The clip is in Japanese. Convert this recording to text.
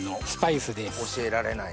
教えられない。